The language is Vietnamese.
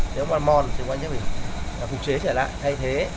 nếu mà mòn thì quan chỉnh sẽ phải phục chế trở lại thay thế